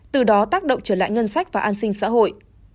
từ đó tác động trở lại ngân sách và an sinh xã hội